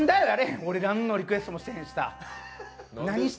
俺何もリクエストしてへんしさ。